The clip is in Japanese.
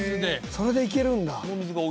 それでいけるんだ。